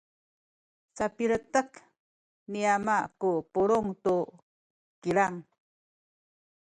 sapiletek ni Yona ku pulung tu kilang.